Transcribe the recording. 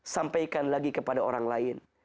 sampaikan lagi kepada orang lain